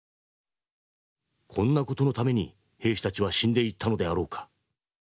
こんな事のために兵士たちは死んでいったのであろうか。